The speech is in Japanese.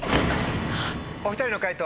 お２人の解答